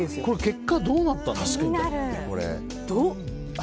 結果どうなったんだろう。